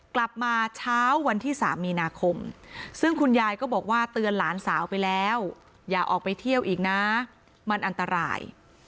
กลับมาเช้าวันที่๓มีนาคมซึ่งคุณยายก็บอกว่าเตือนหลานสาวไปแล้วอย่าออกไปเที่ยวอีกนะมันอันตราย